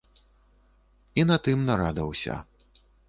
І на тым нарада ўся.